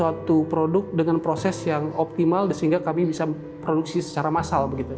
suatu produk dengan proses yang optimal sehingga kami bisa produksi secara massal